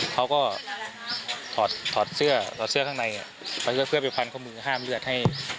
เขาก็ถอดเสื้อถอดเสื้อข้างในเพื่อไปพันข้อมือห้ามเลือดให้